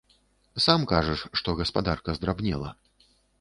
Сам кажаш, што гаспадарка здрабнела.